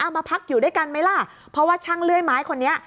มาพักอยู่ด้วยกันไหมล่ะเพราะว่าช่างเลื่อยไม้คนนี้